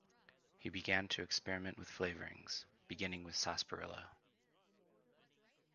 He began to experiment with flavorings, beginning with sarsaparilla.